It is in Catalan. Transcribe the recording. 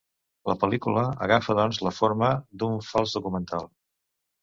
La pel·lícula agafa doncs la forma d'un fals documental.